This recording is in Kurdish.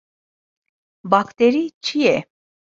Bakterî çi ye?